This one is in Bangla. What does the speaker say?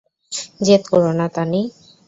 জেদ কোরো না, তানি!